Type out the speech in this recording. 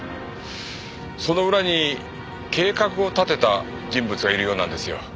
その裏に計画を立てた人物がいるようなんですよ。